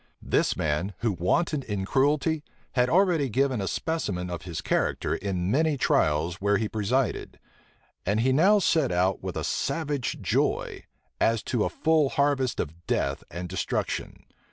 This man, who wantoned in cruelty, had already given a specimen of his character in many trials where he presided; and he now set out with a savage joy, as to a full harvest of death and destruction.